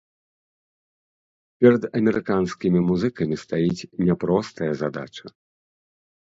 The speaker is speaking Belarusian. Перад амерыканскімі музыкамі стаіць няпростая задача.